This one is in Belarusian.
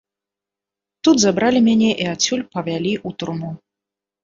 Тут забралі мяне і адсюль павялі ў турму.